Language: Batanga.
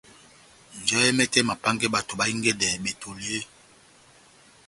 Njahɛ mɛtɛ emapángɛ bato bahingedɛ betoli eeeh ?